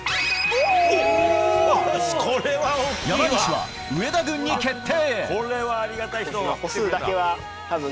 山西は上田軍に決定。